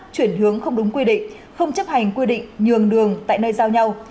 chuyển hướng không đúng quy định không chấp hành quy định nhường đường tại nơi giao nhau